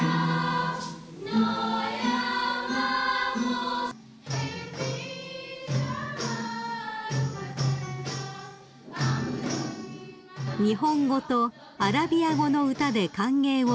［日本語とアラビア語の歌で歓迎を受けられたお二人］